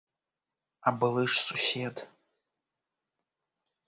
А былы ж сусед!